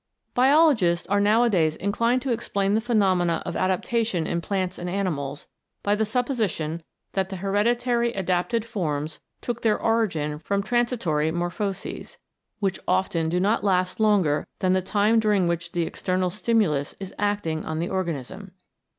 Biologists are nowadays inclined to explain the phenomena of adaptation in plants and animals by the supposition that the hereditary adapted forms took their origin from transitory morphoses, which often do not last longer than the time during which the external stimulus is acting on the organism.